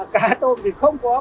cá tôm thì không có con